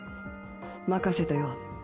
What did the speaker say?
任せたよ。